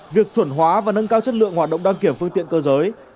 việc chuẩn hóa và nâng cao chất lượng hoạt động đăng kiểm phương tiện cơ giới